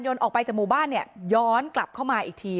ออกไปจากหมู่บ้านเนี่ยย้อนกลับเข้ามาอีกที